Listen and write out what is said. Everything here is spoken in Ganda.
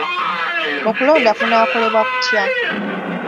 Okulonda kunaakolebwa kutya?